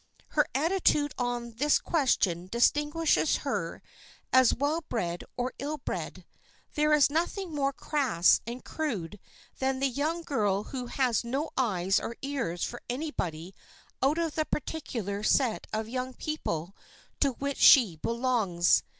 Her attitude on this question distinguishes her as well bred or ill bred. There is nothing more crass and crude than the young girl who has no eyes or ears for anybody out of the particular set of young people to which she belongs.